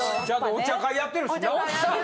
ちゃんとお茶会やってるしな。